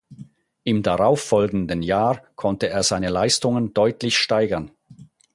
Im darauf folgenden Jahr konnte er seine Leistungen deutlich steigern.